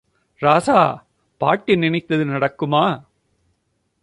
ராசா... பாட்டி நினைச்சது நடக்குமா?